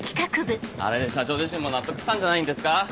あれで社長自身も納得したんじゃないんですか？